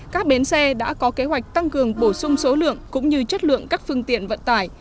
các bến xe đã có kế hoạch tăng cường bổ sung số lượng cũng như chất lượng các phương tiện vận tải